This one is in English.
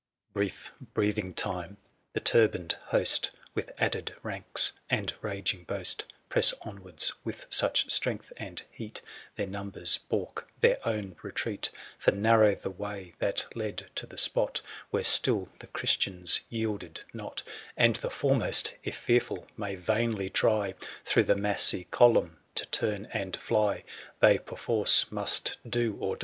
Brief breathing time ! the turbaned host. With added ranks and raging boast. Press onwards with such strength and heat, Their numbers balk their own retreat ; 880 For narrow the way that led to the spot Where still the Christians yielded not; And the foremost, if fearful, may vainly try Through the massy column to turn and fly ; They perforce must do or die.